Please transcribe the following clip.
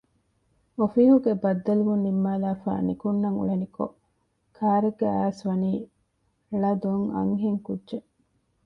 އޮފީހުގެ ބައްދަލުވުން ނިންމާލާފައި ނިކުންނަން އުޅެނިކޮން ކާރެއްގައި އައިސް ވަނީ ޅަދޮން އަންހެންކުއްޖެއް